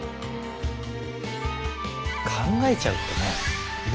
考えちゃうってね。